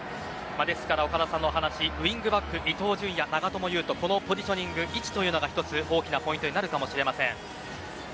ですから岡田さんのお話ウィングバックこのポジショニング位置というのが一つのポイントになるかもしれません。